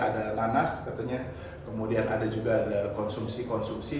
ada nanas katanya kemudian ada juga konsumsi konsumsi